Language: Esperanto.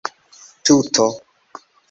tuto